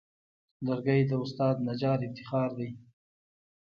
لرګی د استاد نجار افتخار دی.